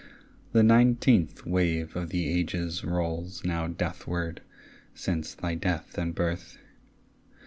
The nineteenth wave of the ages rolls Now deathward since thy death and birth.